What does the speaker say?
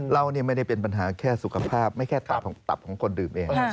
เราไม่ได้เป็นปัญหาแค่สุขภาพไม่แค่ตับของคนดื่มเอง